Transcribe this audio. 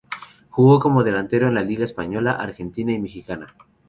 Jugó como delantero en la liga española, argentina y mexicana.